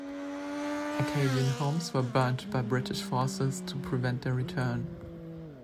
Acadian homes were burnt by British forces to prevent their return.